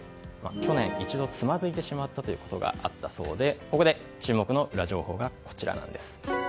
去年一度、つまずいてしまったということがあったそうでここで注目のウラ情報がこちら。